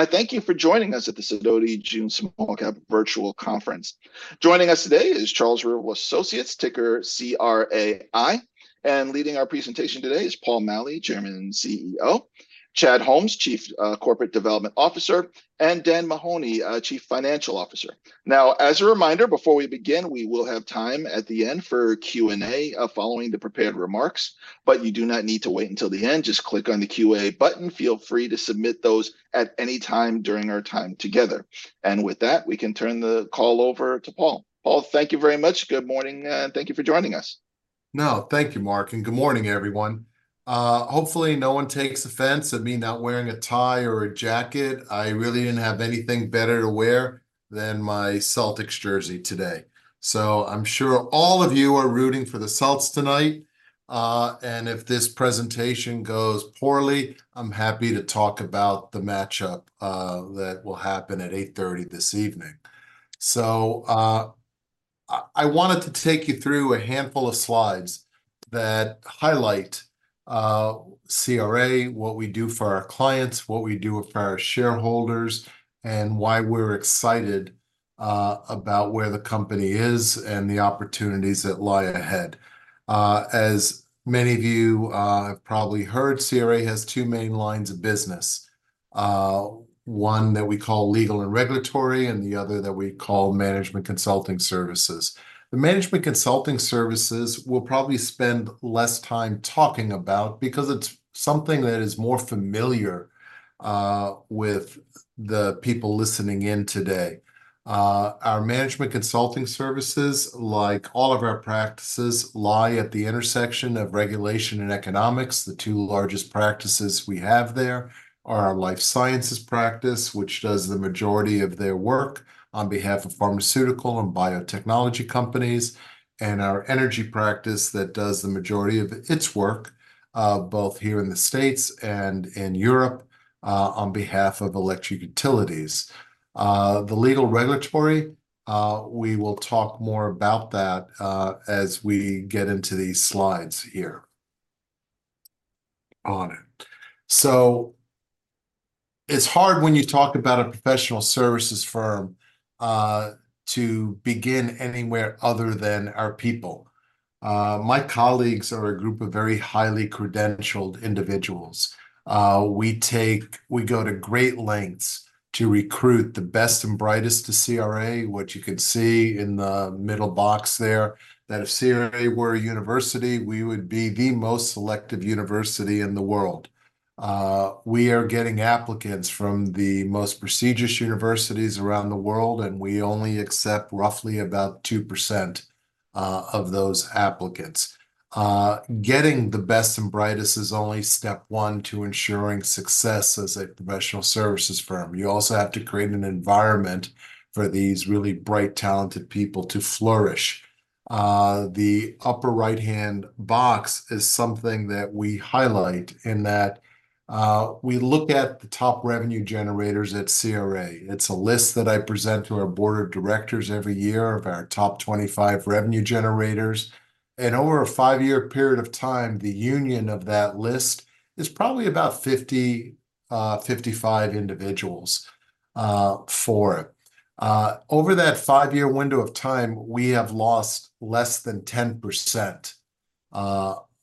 I thank you for joining us at the Sidoti June Small Cap Virtual Conference. Joining us today is Charles River Associates, ticker CRAI, and leading our presentation today is Paul Maleh, Chairman and CEO; Chad Holmes, Chief Corporate Development Officer; and Dan Mahoney, Chief Financial Officer. Now, as a reminder, before we begin, we will have time at the end for Q&A following the prepared remarks, but you do not need to wait until the end. Just click on the Q&A button. Feel free to submit those at any time during our time together. And with that, we can turn the call over to Paul. Paul, thank you very much. Good morning, and thank you for joining us. No, thank you, Mark, and good morning, everyone. Hopefully, no one takes offense at me not wearing a tie or a jacket. I really didn't have anything better to wear than my Celtics jersey today. So I'm sure all of you are rooting for the Celts tonight, and if this presentation goes poorly, I'm happy to talk about the matchup that will happen at 8:30 P.M. this evening. So I wanted to take you through a handful of slides that highlight CRA, what we do for our clients, what we do for our shareholders, and why we're excited about where the company is and the opportunities that lie ahead. As many of you have probably heard, CRA has two main lines of business, one that we call legal and regulatory, and the other that we call management consulting services. The Management Consulting Services we'll probably spend less time talking about, because it's something that is more familiar with the people listening in today. Our Management Consulting Services, like all of our practices, lie at the intersection of regulation and economics. The two largest practices we have there are our Life Sciences practice, which does the majority of their work on behalf of pharmaceutical and biotechnology companies, and our Energy practice that does the majority of its work, both here in the States and in Europe, on behalf of electric utilities. The Legal and Regulatory, we will talk more about that, as we get into these slides here. On it. So it's hard when you talk about a professional services firm, to begin anywhere other than our people. My colleagues are a group of very highly credentialed individuals. We go to great lengths to recruit the best and brightest to CRA, which you can see in the middle box there, that if CRA were a university, we would be the most selective university in the world. We are getting applicants from the most prestigious universities around the world, and we only accept roughly about 2% of those applicants. Getting the best and brightest is only step one to ensuring success as a professional services firm. You also have to create an environment for these really bright, talented people to flourish. The upper right-hand box is something that we highlight in that we looked at the top revenue generators at CRA. It's a list that I present to our board of directors every year of our top 25 revenue generators, and over a 5-year period of time, the union of that list is probably about 50, 55 individuals, for it. Over that 5-year window of time, we have lost less than 10%,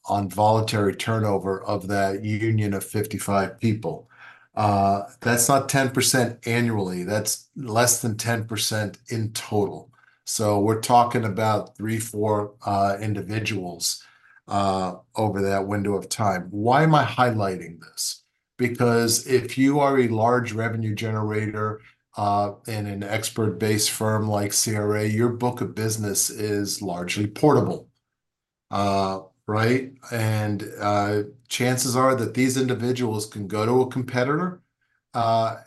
on voluntary turnover of that union of 55 people. That's not 10% annually, that's less than 10% in total, so we're talking about 3, 4 individuals, over that window of time. Why am I highlighting this? Because if you are a large revenue generator, in an expert-based firm like CRA, your book of business is largely portable, right? Chances are that these individuals can go to a competitor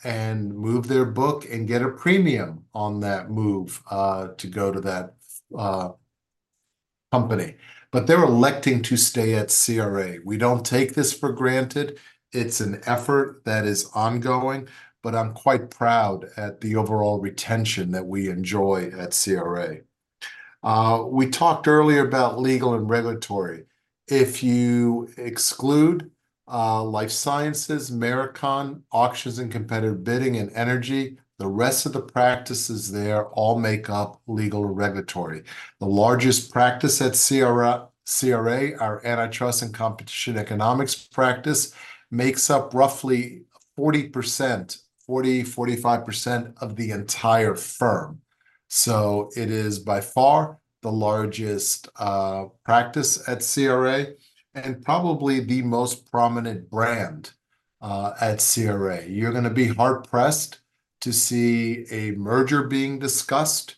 and move their book and get a premium on that move to go to that company, but they're electing to stay at CRA. We don't take this for granted. It's an effort that is ongoing, but I'm quite proud at the overall retention that we enjoy at CRA. We talked earlier about Legal and Regulatory. If you exclude Life Sciences, Marakon, Auctions and Competitive Bidding, and Energy, the rest of the practices there all make up Legal and Regulatory. The largest practice at CRA, CRA, our Antitrust and Competition Economics practice, makes up roughly 40%-45% of the entire firm. So it is by far the largest practice at CRA and probably the most prominent brand at CRA. You're gonna be hard-pressed to see a merger being discussed,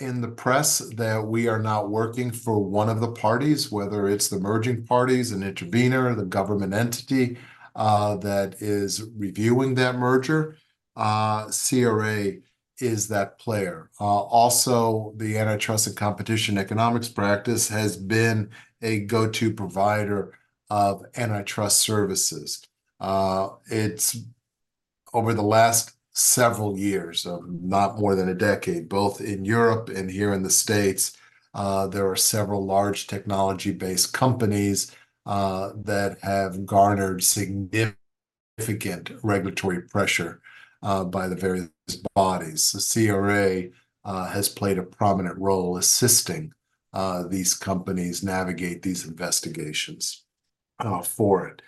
in the press that we are not working for one of the parties, whether it's the merging parties, an intervener, or the government entity, that is reviewing that merger. CRA is that player. Also, the antitrust and competition economics practice has been a go-to provider of antitrust services. It's over the last several years, of not more than a decade, both in Europe and here in the States. There are several large technology-based companies that have garnered significant regulatory pressure by the various bodies. The CRA has played a prominent role assisting these companies navigate these investigations for it.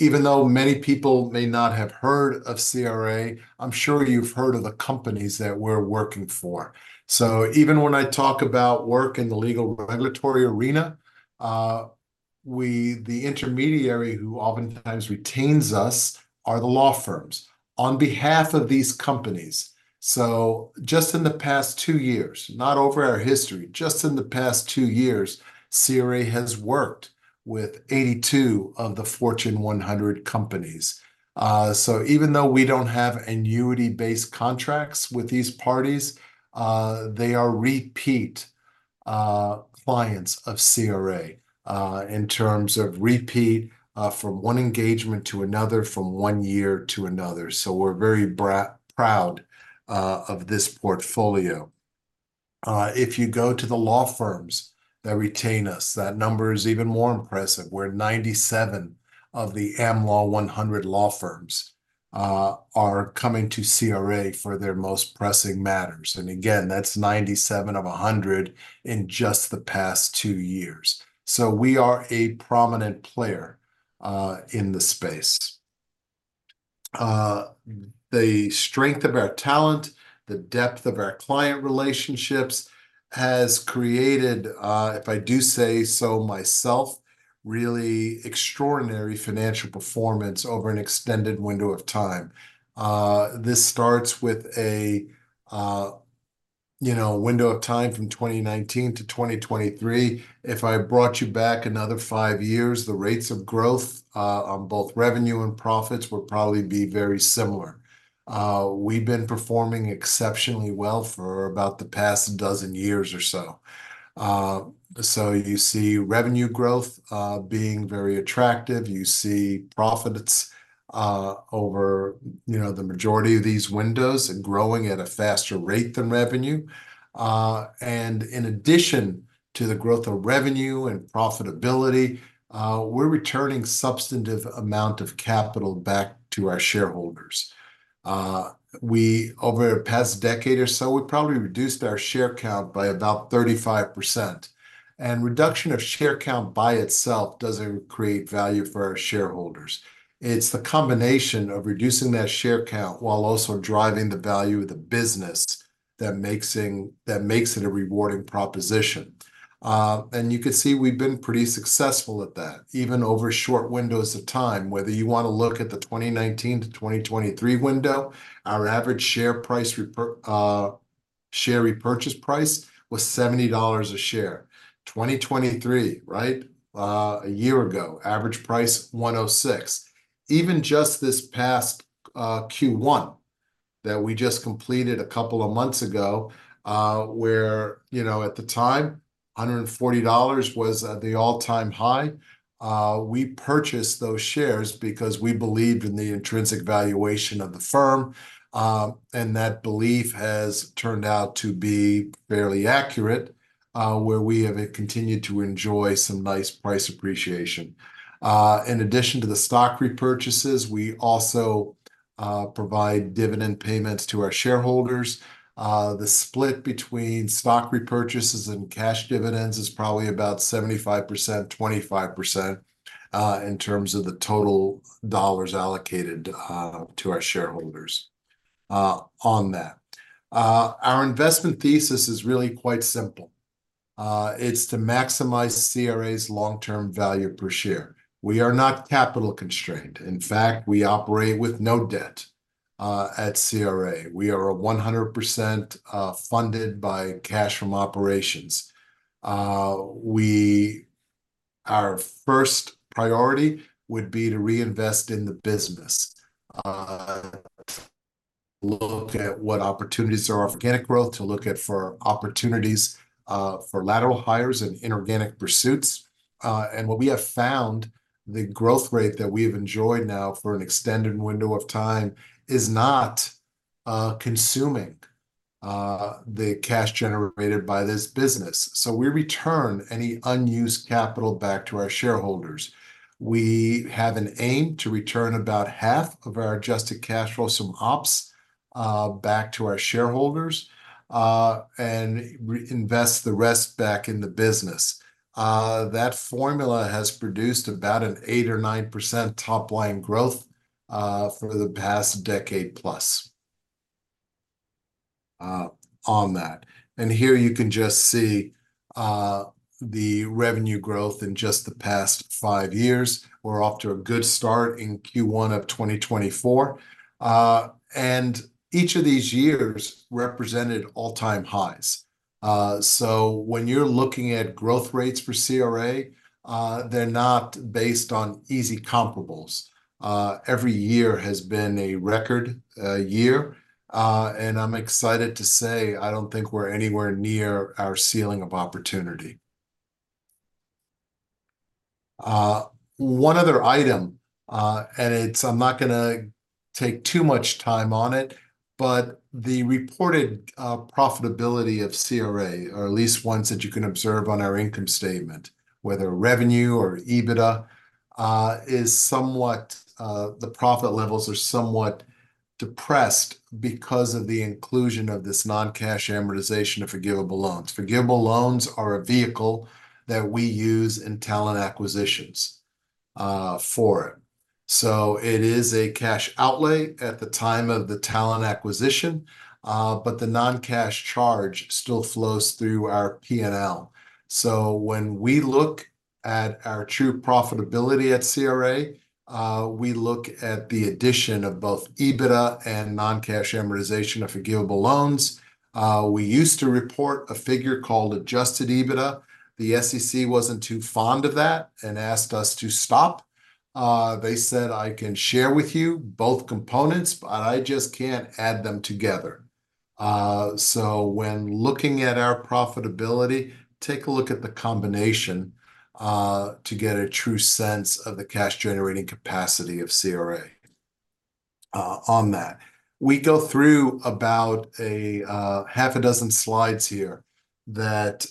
Even though many people may not have heard of CRA, I'm sure you've heard of the companies that we're working for. Even when I talk about work in the legal regulatory arena, we, the intermediary who oftentimes retains us, are the law firms on behalf of these companies. Just in the past 2 years, not over our history, just in the past 2 years, CRA has worked with 82 of the Fortune 100 companies. Even though we don't have annuity-based contracts with these parties, they are repeat clients of CRA, in terms of repeat, from one engagement to another, from 1 year to another. We're very proud of this portfolio. If you go to the law firms that retain us, that number is even more impressive, where 97 of the Am Law 100 law firms are coming to CRA for their most pressing matters, and again, that's 97 of 100 in just the past 2 years. So we are a prominent player in the space. The strength of our talent, the depth of our client relationships, has created, if I do say so myself, really extraordinary financial performance over an extended window of time. This starts with a, you know, window of time from 2019 to 2023. If I brought you back another 5 years, the rates of growth on both revenue and profits would probably be very similar. We've been performing exceptionally well for about the past 12 years or so. So you see revenue growth, being very attractive. You see profits, over, you know, the majority of these windows and growing at a faster rate than revenue. And in addition to the growth of revenue and profitability, we're returning substantive amount of capital back to our shareholders. We, over the past decade or so, we probably reduced our share count by about 35%. And reduction of share count by itself doesn't create value for our shareholders. It's the combination of reducing that share count while also driving the value of the business that makes it a rewarding proposition. And you can see we've been pretty successful at that, even over short windows of time. Whether you wanna look at the 2019 to 2023 window, our average share price repurchase price was $70 a share. 2023, right? A year ago, average price, 106. Even just this past Q1 that we just completed a couple of months ago, where, you know, at the time, $140 was at the all-time high. We purchased those shares because we believed in the intrinsic valuation of the firm, and that belief has turned out to be fairly accurate, where we have continued to enjoy some nice price appreciation. In addition to the stock repurchases, we also provide dividend payments to our shareholders. The split between stock repurchases and cash dividends is probably about 75%, 25%, in terms of the total dollars allocated to our shareholders on that. Our investment thesis is really quite simple. It's to maximize CRA's long-term value per share. We are not capital constrained. In fact, we operate with no debt at CRA. We are 100% funded by cash from operations. Our first priority would be to reinvest in the business, look at what opportunities there are for organic growth, to look at for opportunities for lateral hires and inorganic pursuits. And what we have found, the growth rate that we have enjoyed now for an extended window of time, is not consuming the cash generated by this business. So we return any unused capital back to our shareholders. We have an aim to return about half of our adjusted cash flow from ops back to our shareholders and reinvest the rest back in the business. That formula has produced about an 8%-9% top-line growth for the past decade plus on that. Here you can just see the revenue growth in just the past 5 years. We're off to a good start in Q1 of 2024. Each of these years represented all-time highs. So when you're looking at growth rates for CRA, they're not based on easy comparables. Every year has been a record year, and I'm excited to say I don't think we're anywhere near our ceiling of opportunity. One other item, and it's—I'm not gonna take too much time on it, but the reported profitability of CRA, or at least ones that you can observe on our income statement, whether revenue or EBITDA, is somewhat the profit levels are somewhat depressed because of the inclusion of this non-cash amortization of forgivable loans. Forgivable loans are a vehicle that we use in talent acquisitions, for it. So it is a cash outlay at the time of the talent acquisition, but the non-cash charge still flows through our P&L. So when we look at our true profitability at CRA, we look at the addition of both EBITDA and non-cash amortization of forgivable loans. We used to report a figure called Adjusted EBITDA. The SEC wasn't too fond of that and asked us to stop. They said, I can share with you both components, but I just can't add them together. So when looking at our profitability, take a look at the combination, to get a true sense of the cash-generating capacity of CRA, on that. We go through about a half a dozen slides here that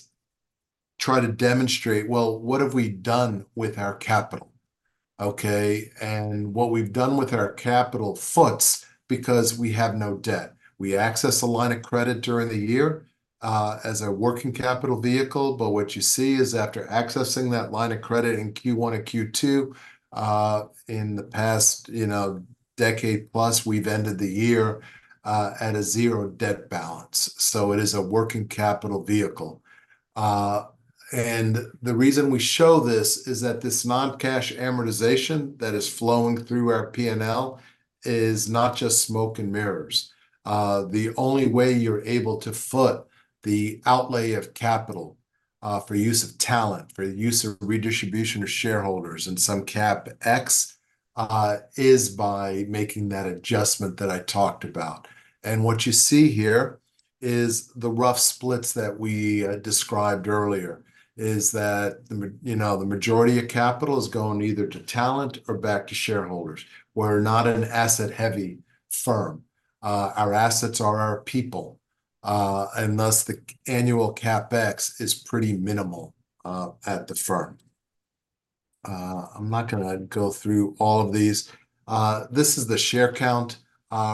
try to demonstrate, well, what have we done with our capital, okay? And what we've done with our capital, folks, because we have no debt. We access a line of credit during the year, as a working capital vehicle, but what you see is, after accessing that line of credit in Q1 and Q2, in the past, you know, decade plus, we've ended the year, at a zero debt balance. So it is a working capital vehicle. And the reason we show this is that this non-cash amortization that is flowing through our P&L is not just smoke and mirrors. The only way you're able to foot the outlay of capital, for use of talent, for use of redistribution to shareholders and some CapEx, is by making that adjustment that I talked about. And what you see here is the rough splits that we described earlier, is that you know, the majority of capital is going either to talent or back to shareholders. We're not an asset-heavy firm. Our assets are our people, and thus, the annual CapEx is pretty minimal, at the firm. I'm not gonna go through all of these. This is the share count,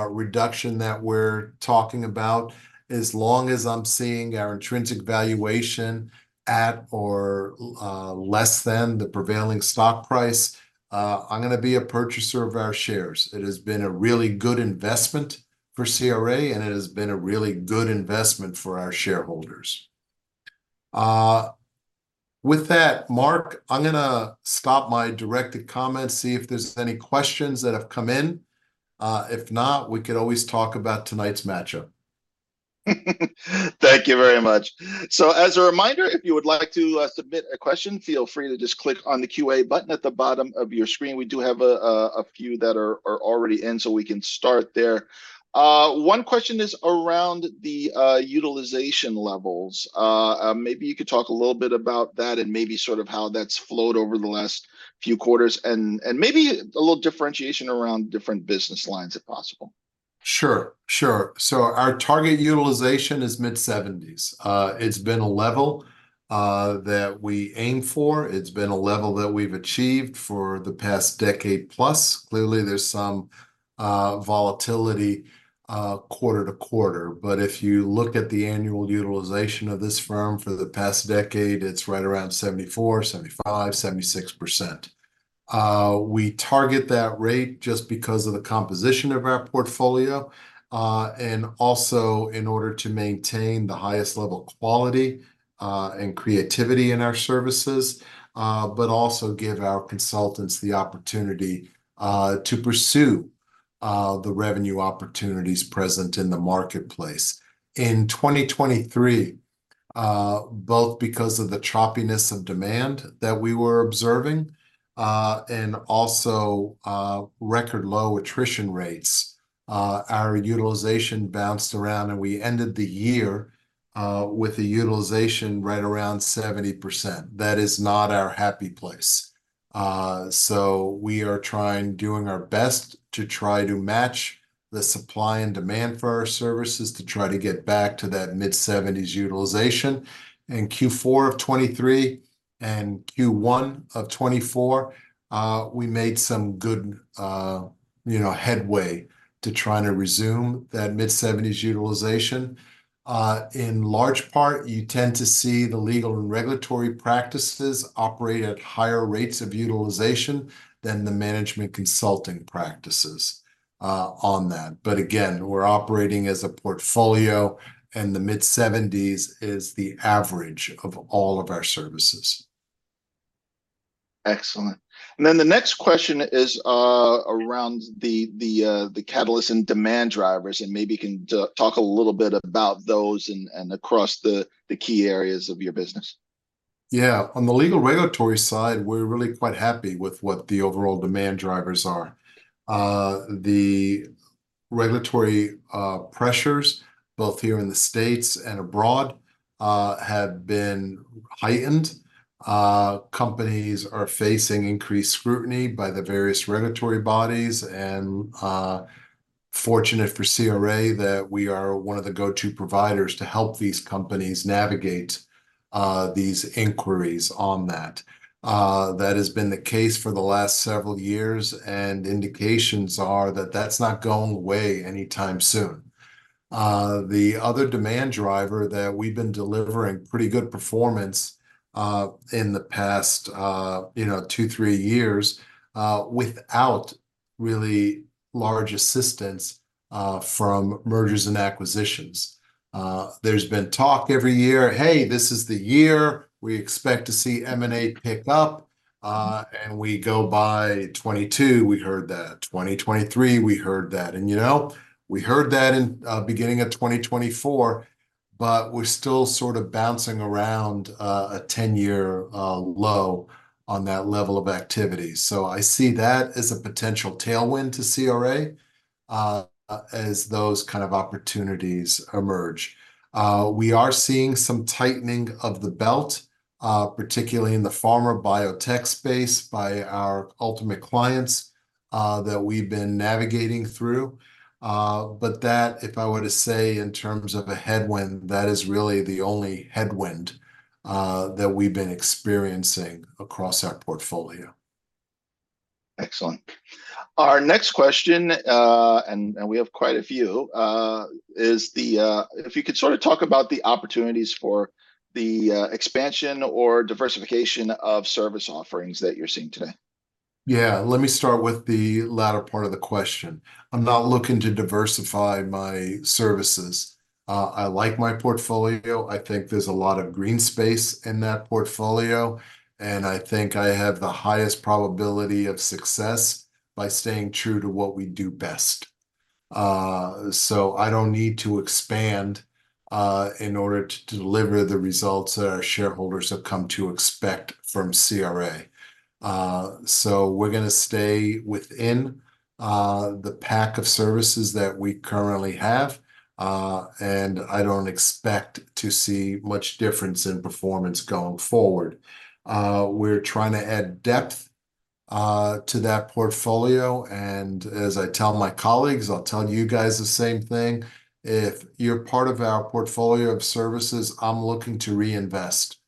reduction that we're talking about. As long as I'm seeing our intrinsic valuation at or, less than the prevailing stock price, I'm gonna be a purchaser of our shares. It has been a really good investment for CRA, and it has been a really good investment for our shareholders. With that, Mark, I'm gonna stop my directed comments, see if there's any questions that have come in. If not, we could always talk about tonight's matchup. Thank you very much. So as a reminder, if you would like to submit a question, feel free to just click on the QA button at the bottom of your screen. We do have a few that are already in, so we can start there. One question is around the utilization levels. Maybe you could talk a little bit about that, and maybe sort of how that's flowed over the last few quarters, and maybe a little differentiation around different business lines, if possible. Sure. Sure. So our target utilization is mid-70s. It's been a level that we aim for. It's been a level that we've achieved for the past decade plus. Clearly, there's some volatility quarter to quarter, but if you look at the annual utilization of this firm for the past decade, it's right around 74%-76%. We target that rate just because of the composition of our portfolio, and also in order to maintain the highest level of quality and creativity in our services, but also give our consultants the opportunity to pursue the revenue opportunities present in the marketplace. In 2023, both because of the choppiness of demand that we were observing, and also record-low attrition rates, our utilization bounced around, and we ended the year with a utilization right around 70%. That is not our happy place. So we are trying, doing our best to try to match the supply and demand for our services to try to get back to that mid-seventies utilization. In Q4 of 2023 and Q1 of 2024, we made some good, you know, headway to trying to resume that mid-seventies utilization. In large part, you tend to see the legal and regulatory practices operate at higher rates of utilization than the management consulting practices, on that. But again, we're operating as a portfolio, and the mid-seventies is the average of all of our services. Excellent. And then the next question is around the catalyst and demand drivers, and maybe you can talk a little bit about those and across the key areas of your business. Yeah. On the legal regulatory side, we're really quite happy with what the overall demand drivers are. Regulatory pressures, both here in the States and abroad, have been heightened. Companies are facing increased scrutiny by the various regulatory bodies, and fortunate for CRA that we are one of the go-to providers to help these companies navigate these inquiries on that. That has been the case for the last several years, and indications are that that's not going away anytime soon. The other demand driver that we've been delivering pretty good performance in the past, you know, two, three years, without really large assistance from mergers and acquisitions. There's been talk every year, "Hey, this is the year we expect to see M&A pick up." And we go by 2022, we heard that. 2023, we heard that. And, you know, we heard that in beginning of 2024, but we're still sort of bouncing around a 10-year low on that level of activity. So I see that as a potential tailwind to CRA as those kind of opportunities emerge. We are seeing some tightening of the belt, particularly in the pharma biotech space by our ultimate clients that we've been navigating through. But that, if I were to say in terms of a headwind, that is really the only headwind that we've been experiencing across our portfolio. Excellent. Our next question, and we have quite a few, is: If you could sort of talk about the opportunities for the expansion or diversification of service offerings that you're seeing today. Yeah. Let me start with the latter part of the question. I'm not looking to diversify my services. I like my portfolio. I think there's a lot of green space in that portfolio, and I think I have the highest probability of success by staying true to what we do best. So I don't need to expand in order to deliver the results that our shareholders have come to expect from CRA. So we're gonna stay within the pack of services that we currently have, and I don't expect to see much difference in performance going forward. We're trying to add depth to that portfolio, and as I tell my colleagues, I'll tell you guys the same thing, "If you're part of our portfolio of services, I'm looking to reinvest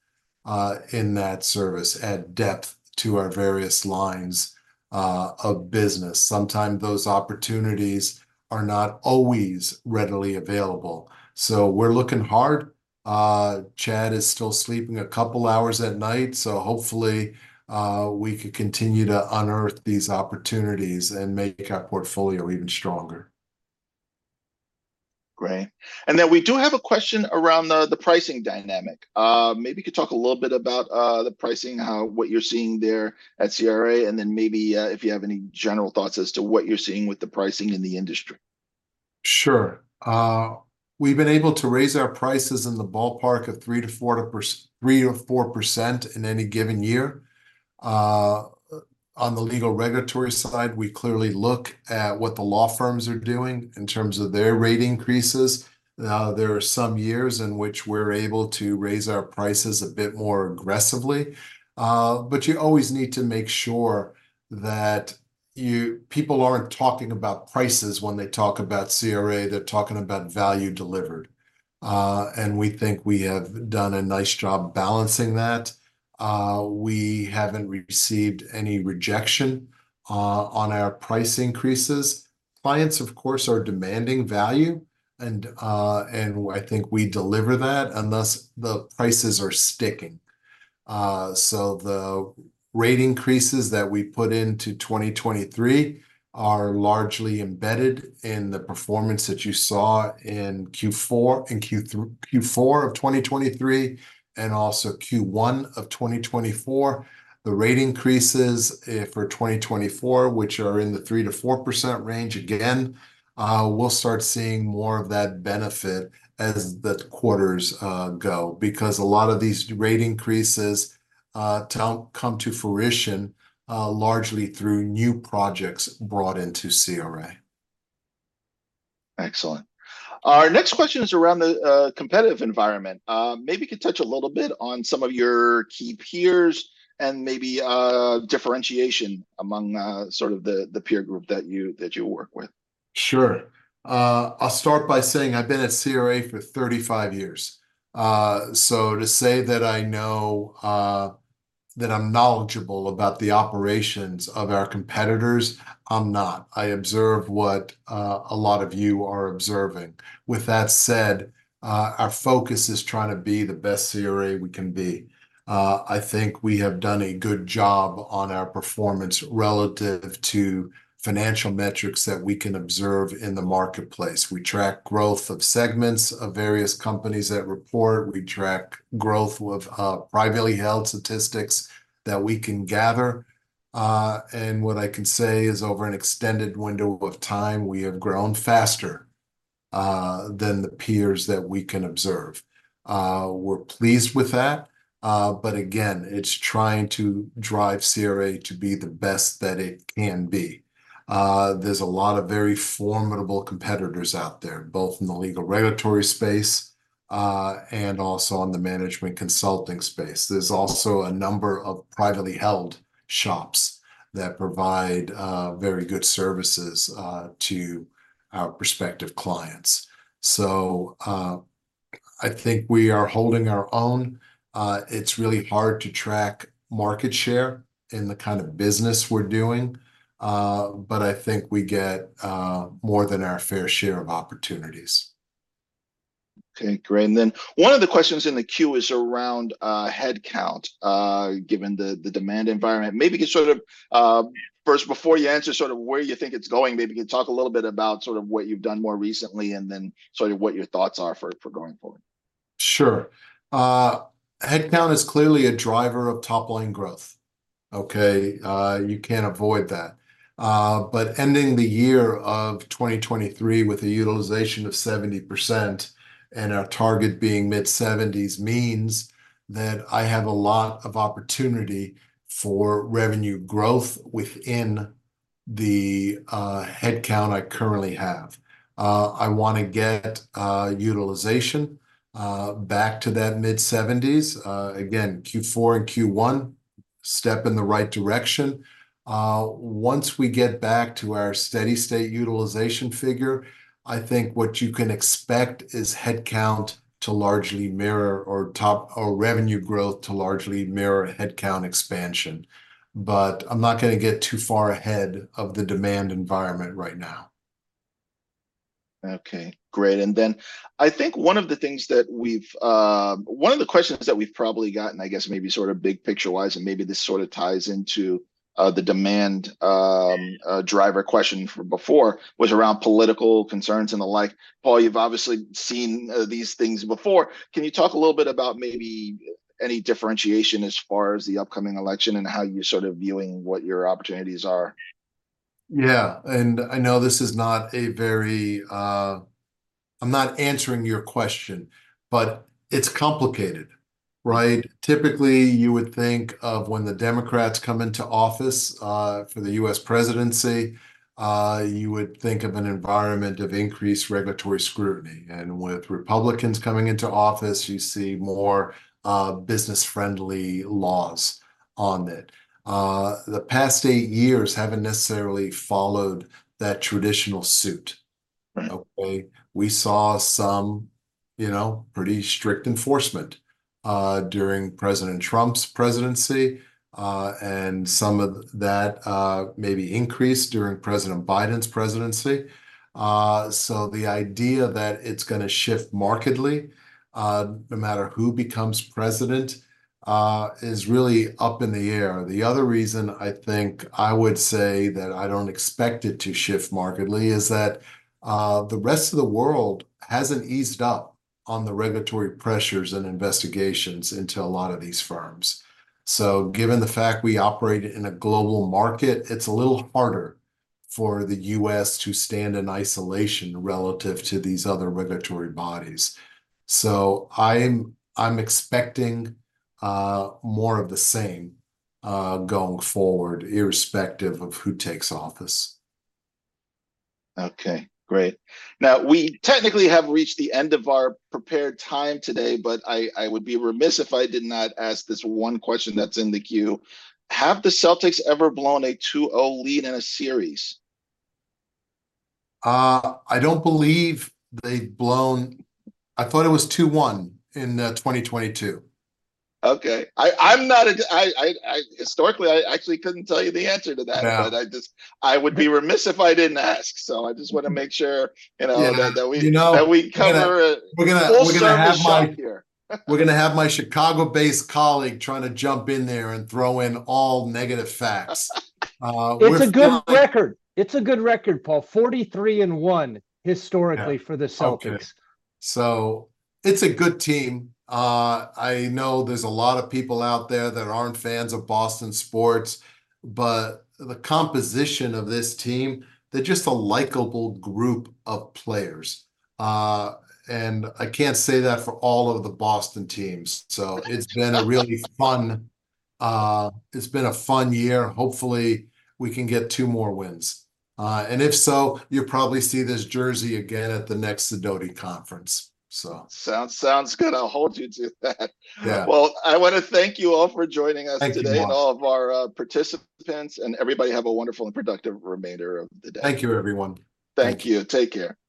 in that service, add depth to our various lines of business." Sometimes those opportunities are not always readily available. So we're looking hard. Chad is still sleeping a couple hours at night, so hopefully we can continue to unearth these opportunities and make our portfolio even stronger. Great. And then we do have a question around the pricing dynamic. Maybe you could talk a little bit about the pricing, how, what you're seeing there at CRA, and then maybe, if you have any general thoughts as to what you're seeing with the pricing in the industry. Sure. We've been able to raise our prices in the ballpark of 3%-4% in any given year. On the legal regulatory side, we clearly look at what the law firms are doing in terms of their rate increases. There are some years in which we're able to raise our prices a bit more aggressively, but you always need to make sure that people aren't talking about prices when they talk about CRA, they're talking about value delivered. And we think we have done a nice job balancing that. We haven't received any rejection on our price increases. Clients, of course, are demanding value, and I think we deliver that, and thus, the prices are sticking. So the rate increases that we put into 2023 are largely embedded in the performance that you saw in Q4, in Q3, Q4 of 2023, and also Q1 of 2024. The rate increases for 2024, which are in the 3%-4% range, again, we'll start seeing more of that benefit as the quarters go, because a lot of these rate increases come to fruition largely through new projects brought into CRA. Excellent. Our next question is around the competitive environment. Maybe you could touch a little bit on some of your key peers and maybe differentiation among sort of the peer group that you work with? Sure. I'll start by saying I've been at CRA for 35 years. So to say that I know that I'm knowledgeable about the operations of our competitors, I'm not. I observe what a lot of you are observing. With that said, our focus is trying to be the best CRA we can be. I think we have done a good job on our performance relative to financial metrics that we can observe in the marketplace. We track growth of segments of various companies that report. We track growth with privately held statistics that we can gather. And what I can say is, over an extended window of time, we have grown faster than the peers that we can observe. We're pleased with that, but again, it's trying to drive CRA to be the best that it can be. There's a lot of very formidable competitors out there, both in the legal regulatory space, and also in the management consulting space. There's also a number of privately held shops that provide very good services to our prospective clients. So, I think we are holding our own. It's really hard to track market share in the kind of business we're doing, but I think we get more than our fair share of opportunities. Okay, great, and then one of the questions in the queue is around head count, given the demand environment. Maybe you can sort of first, before you answer sort of where you think it's going, maybe you can talk a little bit about sort of what you've done more recently, and then sort of what your thoughts are for going forward. Sure. Head count is clearly a driver of top-line growth, okay? You can't avoid that. But ending the year of 2023 with a utilization of 70%, and our target being mid-70s, means that I have a lot of opportunity for revenue growth within the head count I currently have. I wanna get utilization back to that mid-70s. Again, Q4 and Q1, step in the right direction. Once we get back to our steady state utilization figure, I think what you can expect is head count to largely mirror, or top- or revenue growth to largely mirror head count expansion, but I'm not gonna get too far ahead of the demand environment right now. Okay, great, and then I think one of the questions that we've probably gotten, I guess maybe sort of big picture-wise, and maybe this sort of ties into the demand driver question from before, was around political concerns and the like. Paul, you've obviously seen these things before. Can you talk a little bit about maybe any differentiation as far as the upcoming election, and how you're sort of viewing what your opportunities are? Yeah, and I know this is not a very, I'm not answering your question, but it's complicated, right? Typically, you would think of when the Democrats come into office, for the U.S. presidency, you would think of an environment of increased regulatory scrutiny, and with Republicans coming into office, you see more, business-friendly laws on it. The past eight years haven't necessarily followed that traditional suit. Right. Okay? We saw some, you know, pretty strict enforcement during President Trump's presidency, and some of that maybe increased during President Biden's presidency. So the idea that it's gonna shift markedly, no matter who becomes president, is really up in the air. The other reason I think I would say that I don't expect it to shift markedly is that the rest of the world hasn't eased up on the regulatory pressures and investigations into a lot of these firms. So given the fact we operate in a global market, it's a little harder for the U.S. to stand in isolation relative to these other regulatory bodies. So I'm expecting more of the same going forward, irrespective of who takes office. Okay, great. Now, we technically have reached the end of our prepared time today, but I, I would be remiss if I did not ask this one question that's in the queue. Have the Celtics ever blown a 2-0 lead in a series? I don't believe they've blown... I thought it was 2-1 in 2022. Okay. Historically, I actually couldn't tell you the answer to that- Yeah... but I just, I would be remiss if I didn't ask, so I just wanna make sure, you know- Yeah... that we- You know-... that we cover it- We're gonna have my- Full service shop here. We're gonna have my Chicago-based colleague trying to jump in there and throw in all negative facts. It's a good record. It's a good record, Paul. 43 and 1, historically. Yeah, for the Celtics. Okay, so it's a good team. I know there's a lot of people out there that aren't fans of Boston sports, but the composition of this team, they're just a likable group of players. And I can't say that for all of the Boston teams, so it's been a really fun, it's been a fun year. Hopefully, we can get two more wins. And if so, you'll probably see this jersey again at the next Sidoti conference, so. Sounds, sounds good. I'll hold you to that. Yeah. Well, I wanna thank you all for joining us today. Thank you.... and all of our, participants, and everybody, have a wonderful and productive remainder of the day. Thank you, everyone. Thank you. Take care. Bye.